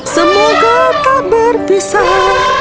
semoga tak berpisah